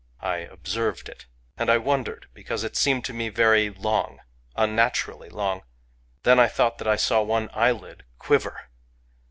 I observed it. And I wondered — because it seemed to me very long, — unnaturally long. ..." Then I thought that I saw one eyelid quiver.